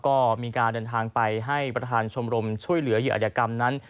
ก็มีการเดินทางไปให้ประธานชมรมช่วยเหลือเหยื่ออาจยกรรมนั้น